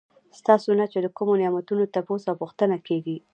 ستاسو نه چې د کومو نعمتونو تپوس او پوښتنه کيږي